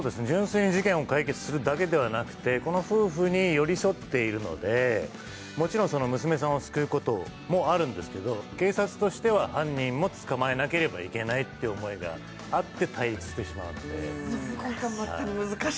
純粋に事件を解決するだけではなくてこの夫婦に寄り添っているので、もちろん娘さんを救うこともあるんですけど、警察としては犯人も捕まえなければいけないという思いもあって対立してしまうわけです。